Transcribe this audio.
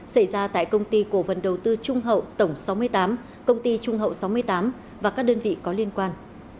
xảy ra tại công ty cổ phần đầu tư trung hậu tổng sáu mươi tám công ty trung hậu sáu mươi tám và các đơn vị có liên quan